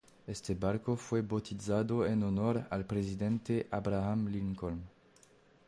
Este barco fue bautizado en honor al presidente Abraham Lincoln.